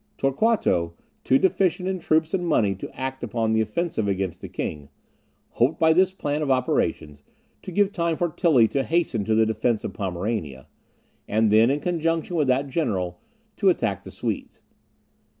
Torquato, too deficient in troops and money to act upon the offensive against the king, hoped by this plan of operations to give time for Tilly to hasten to the defence of Pomerania, and then, in conjunction with that general, to attack the Swedes.